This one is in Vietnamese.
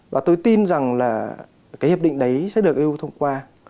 và tôi tin rằng hiệp định đấy sẽ được eu thông qua